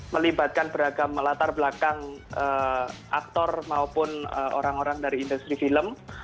melibatkan beragam latar belakang aktor maupun orang orang dari industri film